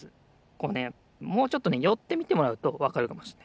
こうねもうちょっとねよってみてもらうとわかるかもしれないです。